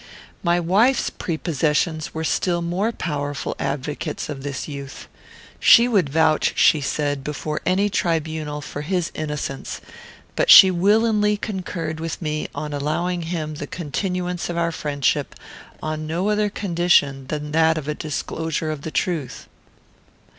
My wife's prepossessions were still more powerful advocates of this youth. She would vouch, she said, before any tribunal, for his innocence; but she willingly concurred with me in allowing him the continuance of our friendship on no other condition than that of a disclosure of the truth.